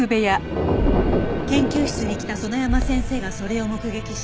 研究室に来た園山先生がそれを目撃し。